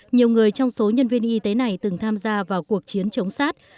nhiều người trong số nhân viên y tế này từng tham gia vào cuộc chiến chống sát